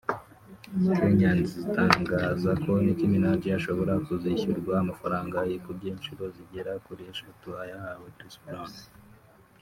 Kenyans itangaza ko Nicki Minaj ashobora kuzishyurwa amafaranga yikubye inshuro zigera kuri eshatu ayahawe Chris Brown